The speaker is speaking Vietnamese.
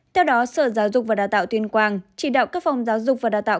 theo đó sở giáo dục và đào tạo tuyên quang chỉ đạo các phòng giáo dục và đào tạo